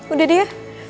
udah deh ya